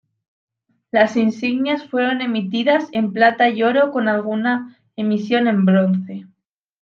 Las insignias fueron emitidas en Plata y Oro con alguna emisión en Bronce.